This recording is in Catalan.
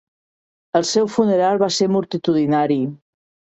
El seu funeral va ser multitudinari.